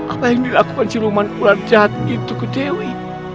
apa yang dilakukan siluman ular jahat gitu ke dewi